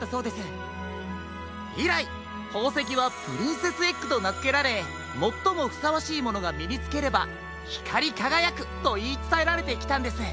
いらいほうせきはプリンセスエッグとなづけられもっともふさわしいものがみにつければひかりかがやくといいつたえられてきたんです。